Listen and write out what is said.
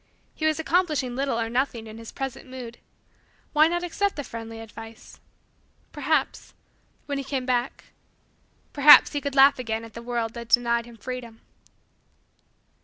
He was accomplishing little or nothing in his present mood. Why not accept the friendly advice? Perhaps when he came back perhaps, he could again laugh at the world that denied him freedom.